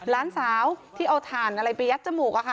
หลานสาวที่เอาถ่านอะไรไปยัดจมูกอะค่ะ